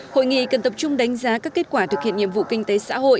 hội nghị cần tập trung đánh giá các kết quả thực hiện nhiệm vụ kinh tế xã hội